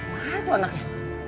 gila tuh anaknya